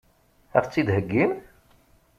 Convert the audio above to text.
Ad ɣ-tt-id-heggim?